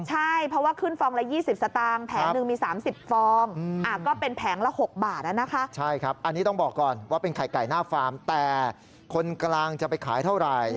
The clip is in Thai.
ใช่เพราะว่าขึ้นฟองละ๒๐สตางค์แผงหนึ่งมี๓๐ฟอง